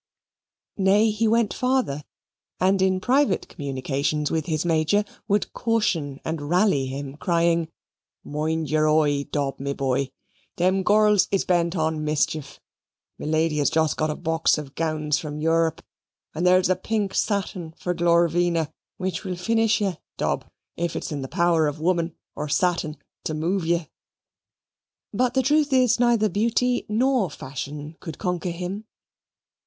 Nay, he went farther, and in private communications with his Major would caution and rally him, crying, "Mind your oi, Dob, my boy, them girls is bent on mischief me Lady has just got a box of gowns from Europe, and there's a pink satin for Glorvina, which will finish ye, Dob, if it's in the power of woman or satin to move ye." But the truth is, neither beauty nor fashion could conquer him.